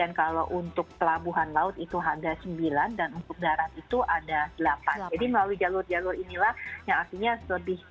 oke tentunya kita harapkan tidak ada temuan varian ay empat dua ini